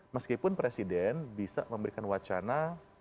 meskipun presiden bisa memberikan wacana